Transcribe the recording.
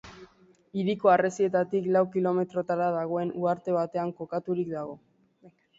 Hiriko harresietatik lau kilometrotara dagoen uharte batean kokaturik dago.